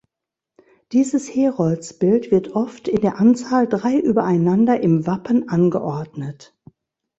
Dieses Heroldsbild wird oft in der Anzahl drei übereinander im Wappen angeordnet.